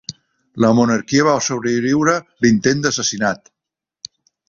La monarquia va sobreviure l"intent d"assassinat.